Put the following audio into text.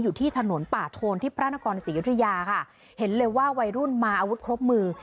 อยู่ที่ถนนป่าโทนที่พระนครศรียุธยาค่ะเห็นเลยว่าวัยรุ่นมาอาวุธครบมือ